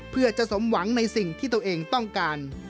เพื่อจะสมหวังในสิ่งที่ตัวเองต้องการ